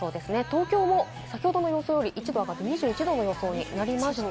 東京も先ほどの予想より１度上がって２１度になりました。